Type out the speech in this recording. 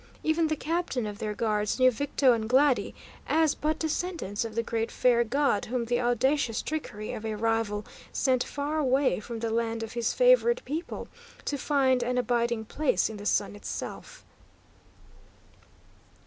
Even the captain of their guards knew Victo and Glady as but descendants of the great Fair God whom the audacious trickery of a rival sent far away from the land of his favoured people, to find an abiding place in the sun itself.